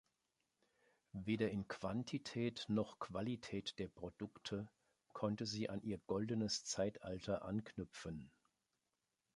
Weder in Quantität noch Qualität der Produkte konnte sie an ihr Goldenes Zeitalter anknüpfen.